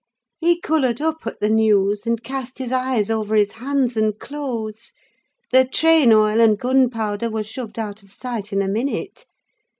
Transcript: He coloured up at the news, and cast his eyes over his hands and clothes. The train oil and gunpowder were shoved out of sight in a minute.